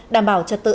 đảm bảo trật tự